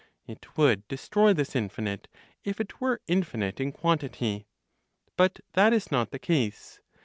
It would destroy this infinite, if it were infinite in quantity; but that is not the case.